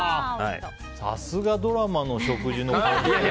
さすがドラマの食事の。